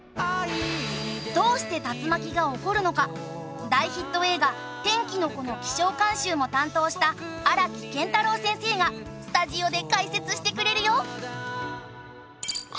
どうして竜巻が起こるのか大ヒット映画『天気の子』の気象監修も担当した荒木健太郎先生がスタジオで解説してくれるよ。